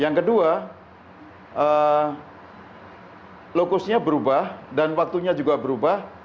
yang kedua lokusnya berubah dan waktunya juga berubah